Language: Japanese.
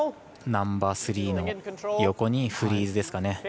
ナンバースリーの横にフリーズですかね。